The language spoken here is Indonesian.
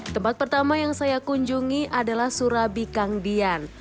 tempat pertama yang saya kunjungi adalah surabikangdian